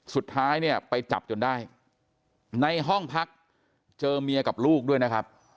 สุดท้ายเนี่ยไปจับจนได้ในห้องพักเจอเมียกับลูกด้วยนะครับ